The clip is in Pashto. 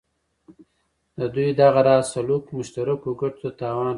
د دوی دغه راز سلوک مشترکو ګټو ته تاوان رسوي.